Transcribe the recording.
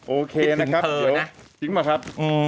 โอเคนะครับ